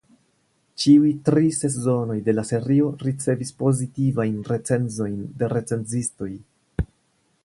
Ĉiuj tri sezonoj de la serio ricevis pozitivajn recenzojn de recenzistoj.